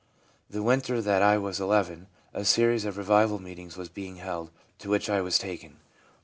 The winter that I was n, a series of revival meetings was being held, to which I was taken.